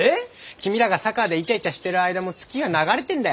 君らが佐川でイチャイチャしてる間も月は流れてるんだよ。